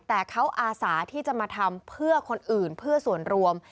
แต่เขาอาสาที่จะมาทำเพื่อคนอื่นเพื่อส่วนรวม